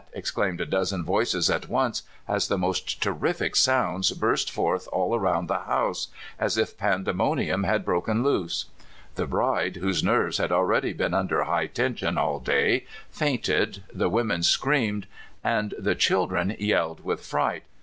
exclaimed a dozen voices at once as the most terrific sounds burst forth all around the house, as if pandemonium had broken loose. The bride, whose nerves had already been under high tension all day, fainted, the women screamed, and the children yelled with fright.